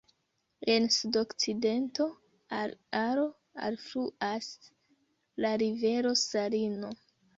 En sudokcidento al Aro alfluas la rivero Sarino.